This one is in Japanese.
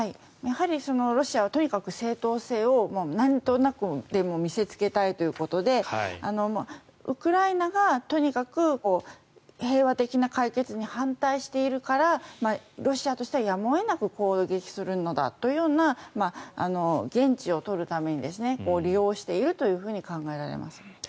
やはりロシアはとにかく正当性をなんとなくでも見せつけたいということでウクライナがとにかく平和的な解決に反対しているからロシアとしてはやむを得なく攻撃するのだというような言質を取るために利用していると考えられます。